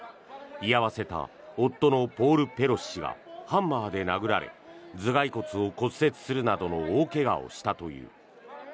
居合わせた夫のポール・ペロシ氏はハンマーで殴られ頭がい骨を骨折するなどの大怪我をしたという。